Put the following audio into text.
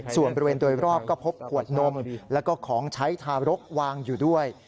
ส่วนบริเวณโดยรอบก็พบขวดนมแล้วก็ของใช้ทารกวางอยู่ด้วย